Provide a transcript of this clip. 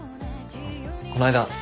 こないだ